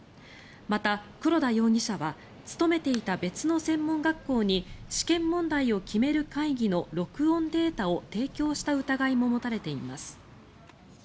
また、黒田容疑者は勤めていた別の専門学校に試験問題を決める会議の録音データを提供した疑いも持たれています。